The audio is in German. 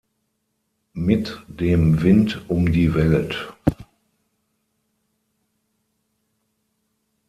Mit dem Wind um die Welt".